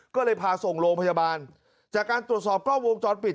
ก็เลยพาส่งโรงพยาบาลจากการตรวจสอบกล้องวงจรปิด